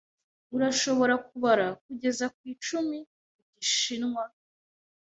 Urashobora kubara kugeza ku icumi mu gishinwa?